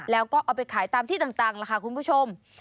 แล้วก็เอาไปขายตามที่ต่างล่ะค่ะคุณผู้ชม